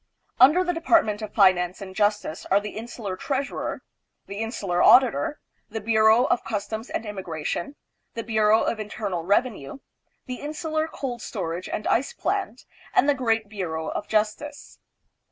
Under the Department of Finance and Justice are the Insular Treasurer; the Insular Auditor; the Bureau of AMERICA AND THE PHILIPPINES. 313 Customs and Immigration; the Bureau of Internal Rev enue; the Insular Cold Storage and Ice Plant; and the great Bureau of Justice.